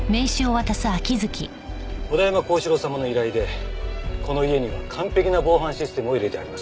小田山航志郎様の依頼でこの家には完璧な防犯システムを入れてあります。